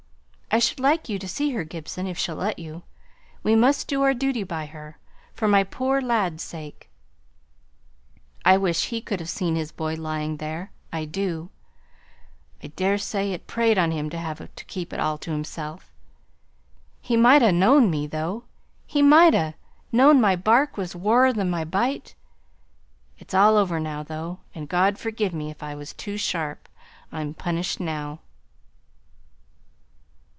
I should like you to see her, Gibson, if she'll let you. We must do our duty by her, for my poor lad's sake. I wish he could have seen his boy lying there; I do. I daresay it preyed on him to have to keep it all to himself. He might ha' known me, though. He might ha' known my bark was waur than my bite. It's all over now, though; and God forgive me if I was too sharp. I'm punished now."